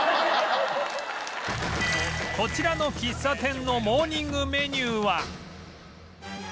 こちらの喫茶店のモーニングメニューは